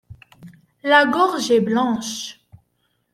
La gorge est blanche.